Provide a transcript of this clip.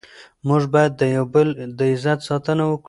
موږ باید د یو بل د عزت ساتنه وکړو.